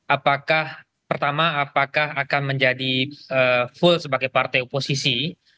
apakah pertama apakah akan menjadi full sebagai partai oposisi